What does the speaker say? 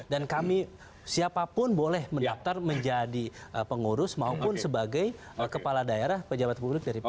dan kami siapapun boleh mendaftar menjadi pengurus maupun sebagai kepala daerah pejabat publik dari pt